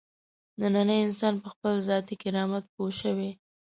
نننی انسان په خپل ذاتي کرامت پوه شوی.